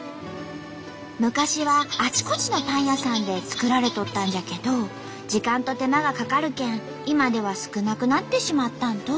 昔はあちこちのパン屋さんで作られとったんじゃけど時間と手間がかかるけん今では少なくなってしまったんと。